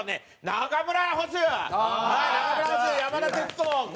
中村捕手山田哲人。